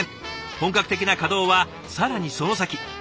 本格的な稼働は更にその先。